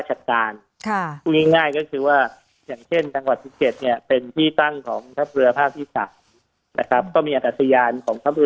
ใช่ค่ะอันนี้นึกออก